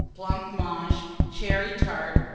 Blancmange. Cherry Tart.